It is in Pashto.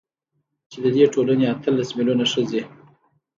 چـې د دې ټـولـنې اتـلس مـيلـيونـه ښـځـې .